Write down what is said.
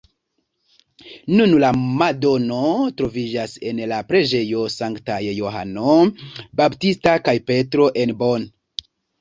Nun la madono troviĝas en la preĝejo Sanktaj Johano Baptista kaj Petro en Bonn.